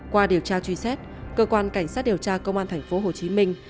qua điều tra truy xét cơ quan cảnh sát điều tra công an thành phố hồ chí minh